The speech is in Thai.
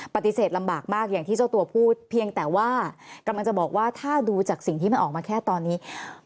ปฏิเสธลำบากมากอย่างที่เจ้าตัวพูดเพียงแต่ว่ากำลังจะบอกว่าถ้าดูจากสิ่งที่มันออกมาแค่ตอนนี้